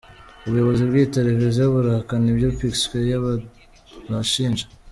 Ubuyobozi bw’iyi televiziyo burahakana ibyo P Square babashinja.